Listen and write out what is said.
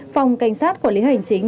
phòng cảnh sát quản lý hành chính